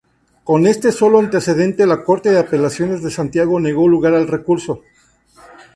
Con este sólo antecedente la Corte de Apelaciones de Santiago negó lugar al recurso.